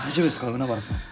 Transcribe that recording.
海原さん。